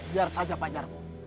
biar saja pak jarko